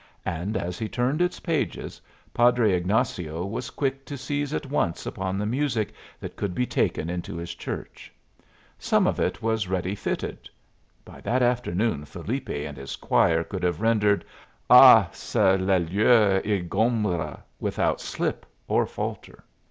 And as he turned its pages Padre Ignazio was quick to seize at once upon the music that could be taken into his church. Some of it was ready fitted. By that afternoon Felipe and his choir could have rendered "Ah! se l'error t' ingombra" without slip or falter.